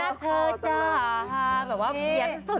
มันหรือบ้าง